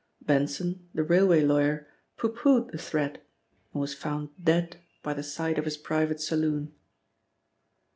Benson, the railway lawyer, pooh poohed the threat and was found dead by the side of his private saloon.